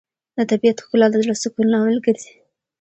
د طبیعت ښکلا د زړه سکون لامل ګرځي.